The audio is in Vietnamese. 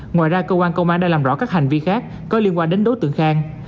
ngoài ra cơ quan công an đã làm rõ các hành vi khác có liên quan đến đối tượng khang